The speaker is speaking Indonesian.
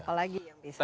apalagi yang bisa di